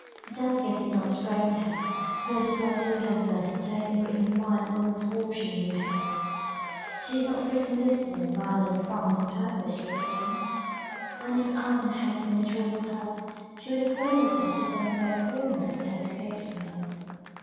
Her delicacy did not restrain her, for her dislike to her husband had taken root in her mind long before she knew Henry. Did she not fix on Lisbon rather than France on purpose to avoid him? and if Ann had been in tolerable health she would have flown with her to some remote corner to have escaped from him.